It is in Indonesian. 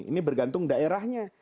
ini bergantung daerahnya